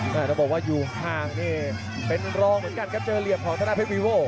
ถ้าบอกว่าอยู่ห่างนี่เป็นรองเหมือนกันครับเจอเหลี่ยมของธนาเพชรวีโว่